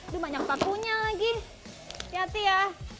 banyak pakunya lagi sihat ya